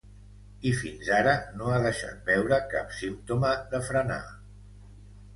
I fins ara no ha deixat veure cap símptoma de frenar.